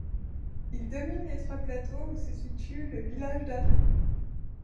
Il domine l'étroit plateau où se situe le village d'Aranc.